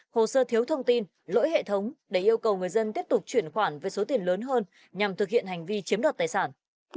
hồ sơ thiếu thông tin lỗi hệ thống để yêu cầu người dân tiếp tục chuyển khoản với số tiền lớn hơn nhằm thực hiện hành vi chiếm đoạt tài sản